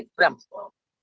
bram soal itu